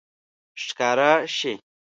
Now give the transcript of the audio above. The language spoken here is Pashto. ښکاره شي